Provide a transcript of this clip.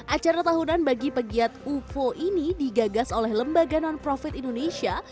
acara tahunan bagi pegiat ufo ini digagas oleh lembaga non profit indonesia